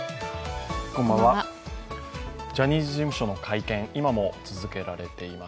ジャニーズ事務所の会見、今も続けられています。